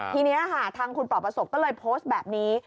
ทีนี้ค่ะทางคุณปล่อประสบก็เลยโพสต์แบบนี้